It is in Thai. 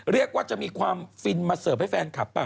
เรียกว่าจะมีความฟินมาเสิร์ฟให้แฟนคลับป่